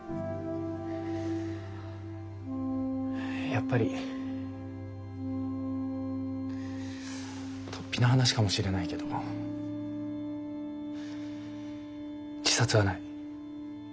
やっぱりとっぴな話かもしれないけど自殺はない。